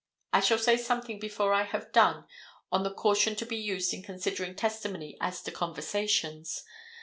I shall say something before I have done on the caution to be used in considering testimony as to conversations.